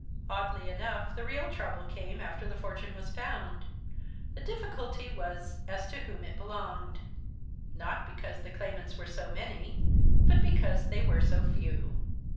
Oddly enough, the real trouble came after the fortune was found. The difficulty was as to whom it belonged not because the claimants were so many, but because they were so few.